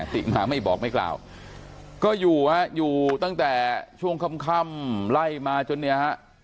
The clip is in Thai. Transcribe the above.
ติมาไม่บอกไม่กล่าวก็อยู่ฮะอยู่ตั้งแต่ช่วงค่ำไล่มาจนเนี่ยฮะ